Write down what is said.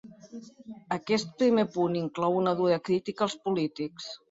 Aquest primer punt inclou una dura crítica als polítics.